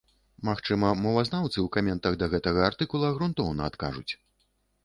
Магчыма, мовазнаўцы ў каментах да гэтага артыкула грунтоўна адкажуць.